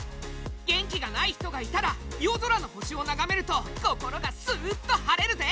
元気がない人がいたら夜空の星を眺めると心がスーッと晴れるぜ！